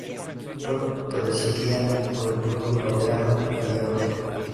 Fue presidida por el propio Laureano Figuerola.